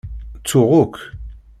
Ttuɣ akk.